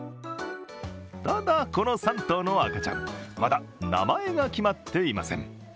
ただ、この３頭の赤ちゃん、まだ名前が決まっていません。